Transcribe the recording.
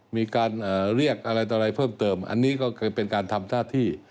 มีการเรียกอะไรต่ออะไรเพิ่มเติมอันนี้ก็เคยเป็นการทำหน้าที่